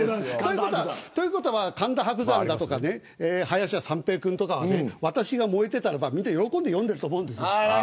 ということは、神田伯山とか林家三平君とかは私が燃えていたら喜んで読んでいると思うんですよ。